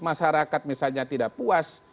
masyarakat misalnya tidak puas